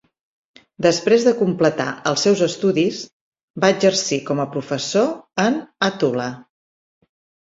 Després de completar els seus estudis, va exercir com a professor en Hattula.